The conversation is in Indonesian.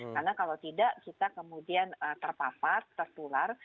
karena kalau tidak kita kemudian terpapar tertular